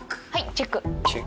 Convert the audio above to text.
チェック。